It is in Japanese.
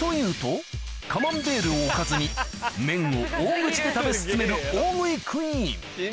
と言うとカマンベールをおかずに麺を大口で食べ進める大食いクイーン